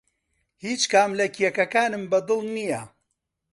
هیچ کام لە کێکەکانم بەدڵ نییە.